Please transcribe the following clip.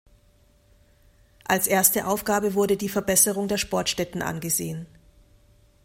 Als erste Aufgabe wurde die Verbesserung der Sportstätten angesehen.